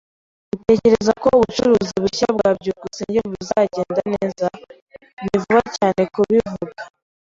"Utekereza ko ubucuruzi bushya bwa byukusenge buzagenda neza?" "Ni vuba cyane kubivuga."